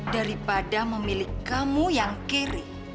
daripada memilih kamu yang kering